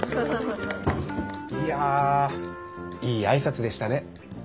いやいい挨拶でしたね。